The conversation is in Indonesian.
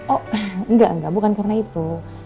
oh enggak enggak bukan karena itu